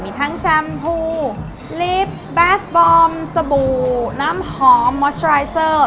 มีทั้งแชมพูลิปแบสบอร์มสบู่น้ำหอมมอสเตอร์ไซเซอร์